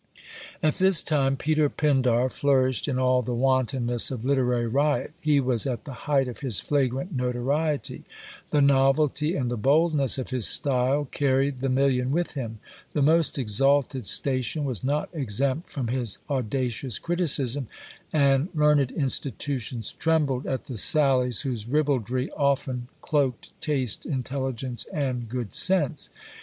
At this time Peter Pindar flourished in all the wantonness of literary riot. He was at the height of his flagrant notoriety. The novelty and the boldness of his style carried the million with him. The most exalted station was not exempt from his audacious criticism, and learned institutions trembled at the sallies whose ribaldry often cloaked taste, intelligence, and good sense.